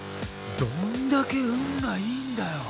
どんだけ運がいいんだよ